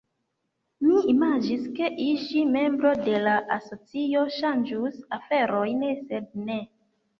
Mi imagis, ke iĝi membro de la asocio ŝanĝus aferojn, sed ne.